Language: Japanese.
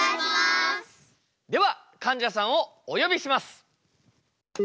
ではかんじゃさんをお呼びします！